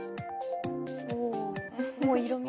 おぉもう色みが。